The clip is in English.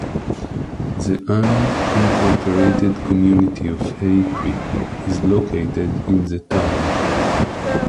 The unincorporated community of Hay Creek is located in the town.